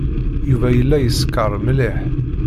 Yuba yella yeskeṛ mliḥ.